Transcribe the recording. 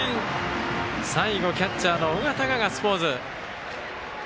最後、キャッチャーの尾形がガッツポーズ。